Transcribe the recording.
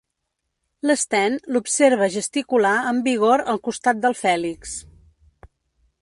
L'Sten l'observa gesticular amb vigor al costat del Fèlix.